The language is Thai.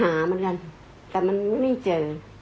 หาเหมือนกันแต่มันไม่เจอ